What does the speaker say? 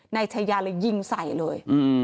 นายชายาเลยยิงใส่เลย